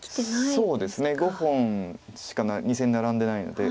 そうですね５本しか２線ナラんでないので。